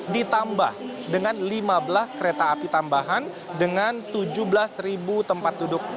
ditambah dengan lima belas kereta api tambahan dengan tujuh belas tempat duduk